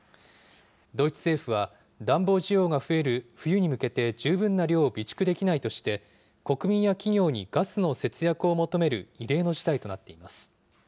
ドイツ政府は、暖房需要が増える冬に向けて十分な量を備蓄できないとして、国民や企業にガスの節約を求める異例の事態となっています。